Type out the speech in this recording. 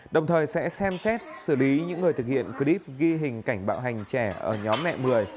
đồng thời sẽ xem xét xử lý những người thực hiện clip ghi hình cảnh bạo hành trẻ ở nhóm mẹ một mươi